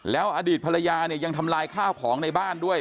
แล้วอดีตภรรยาเนี่ยยังทำลายข้าวของในบ้านด้วย